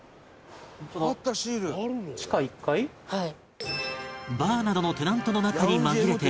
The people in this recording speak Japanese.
はい。